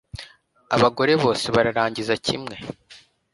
Abagore bose bararangiza kimwe?